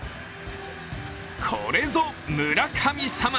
これぞ、村神様！